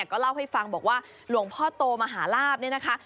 ก็เล่าให้ฟังบอกว่าหลวงพ่อโตมหาลาบเนี่ยนะคะ